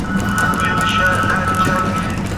তোমার দায়িত্ব ছিল আমার ছেলেকে নিরাপদ রাখা।